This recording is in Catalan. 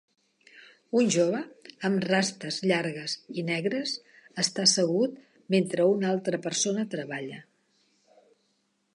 Un jove amb rastes llargues i negres està assegut mentre una altra persona treballa.